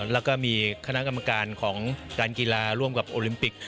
แล้วก็มีคณะกรรมการของการกีฬาร่วมกับโอลิมปิก